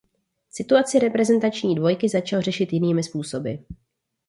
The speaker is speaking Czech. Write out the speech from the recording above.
Situaci reprezentační dvojky začal řešit jinými způsoby.